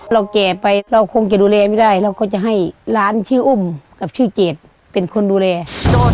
แก่ไปเราคงจะดูแลไม่ได้เราก็จะให้ร้านชื่ออุ้มกับชื่อเจดเป็นคนดูแล